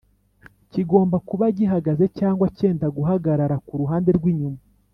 kigomba kuba gihagaze cyangwa cyenda guhagarara ku ruhande rw'inyuma